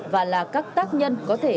và là các tác nhân có thể